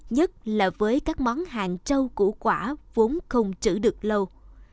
nhất là với các món hàng trâu củ quả vốn không trữ được lâu